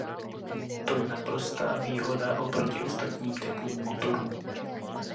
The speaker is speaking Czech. To je jeho naprostá výhoda oproti ostatním typům motorů.